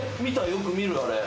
よく見るあれ。